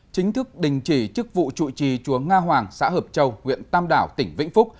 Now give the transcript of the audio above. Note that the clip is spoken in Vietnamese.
chính thức đình chỉ chức vụ trụ trì chúa nga hoàng xã hợp châu huyện tam đảo tỉnh vĩnh phúc